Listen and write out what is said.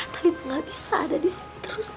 tadi tak bisa ada disini terus pak